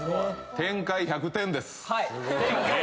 展開１００点です・展開